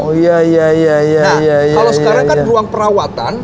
nah kalau sekarang kan ruang perawatan